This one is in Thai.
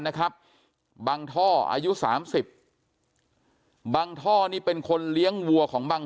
นะครับบังท่ออายุสามสิบบางท่อนี่เป็นคนเลี้ยงวัวของบัง